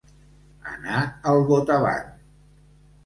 Anar al botavant.